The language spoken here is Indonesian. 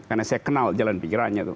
karena saya kenal jalan pikirannya